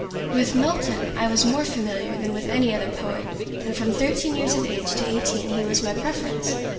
With Milton I was more familiar than with any other poet, and from thirteen years of age to eighteen he was my preference.